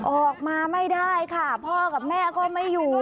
ออกมาไม่ได้ค่ะพ่อกับแม่ก็ไม่อยู่